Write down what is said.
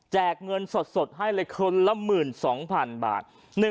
เงินสดให้เลยคนละ๑๒๐๐๐บาท